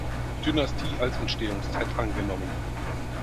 Dynastie als Entstehungszeit angenommen.